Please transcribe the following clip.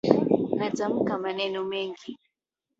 Natamka maneno mengi